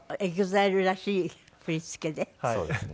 そうですね。